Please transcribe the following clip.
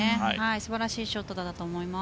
素晴らしいショットだと思います。